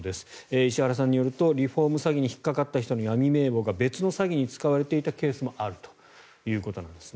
石原さんによるとリフォーム詐欺に引っかかった人の闇名簿が別の詐欺に使われていたケースもあるということなんですね。